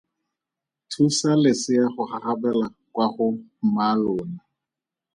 Thusa lesea go gagabela kwa go mmaalona.